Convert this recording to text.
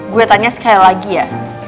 gue tanya sekali lagi ya